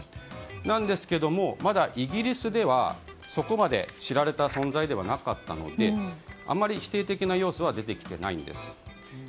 ですが、まだイギリスではそこまで知られた存在ではなかったのであまり否定的な要素は出てきていないんです。